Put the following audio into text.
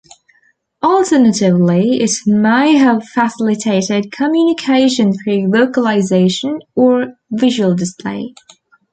Alternatively, it may have facilitated communication through vocalization or visual display.